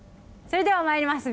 それではまいります。